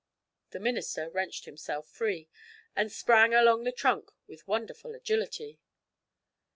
The minister wrenched himself free, and sprang along the trunk with wonderful agility.